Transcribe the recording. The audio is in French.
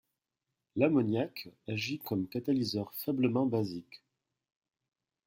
L'ammoniac agit comme catalyseur faiblement basique.